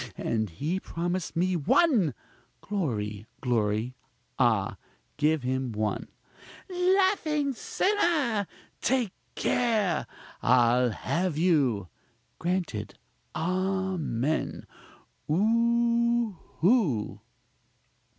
and he promised me one! (Glory! glory! ah! give him one!) laughing sinner! take care! I'll have you! (Grant it amen! ooohoo!)